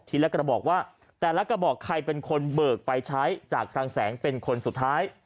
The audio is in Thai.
ละกระบอกว่าแต่ละกระบอกใครเป็นคนเบิกไฟใช้จากคลังแสงเป็นคนสุดท้าย